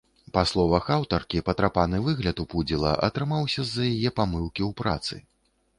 Па словах аўтаркі, патрапаны выгляд у пудзіла атрымаўся з-за яе памылкі ў працы.